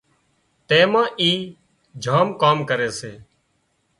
تيمان اي جام ڪام ڪري سي